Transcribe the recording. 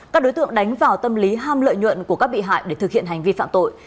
các đối tượng đánh vào tâm lý ham lợi nhuận của các bị hại để thực hiện hành vi phạm tội